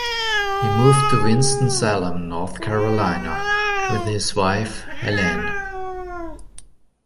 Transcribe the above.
He moved to Winston-Salem, North Carolina with his wife Helene.